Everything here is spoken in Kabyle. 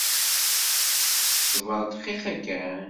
Ṣbeṛ dqiqa kan.